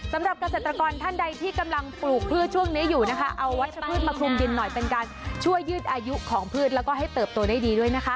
สำหรับเกษตรกรท่านใดที่กำลังปลูกพืชช่วงนี้อยู่นะคะเอาวัชพืชมาคลุมดินหน่อยเป็นการช่วยยืดอายุของพืชแล้วก็ให้เติบโตได้ดีด้วยนะคะ